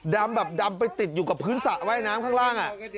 ดำแบบดำไปติดอยู่กับพื้นสระว่ายน้ำข้างล่าง